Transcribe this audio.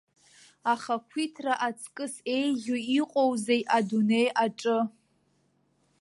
Ахақәиҭра аҵкыс еиӷьу иҟоузеи адунеи аҿы.